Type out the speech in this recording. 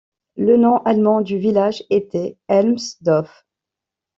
Le nom allemand du village était Helmsdorf.